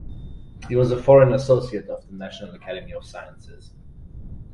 He was a foreign associate of the National Academy of Sciences.